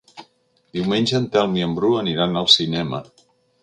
Diumenge en Telm i en Bru aniran al cinema.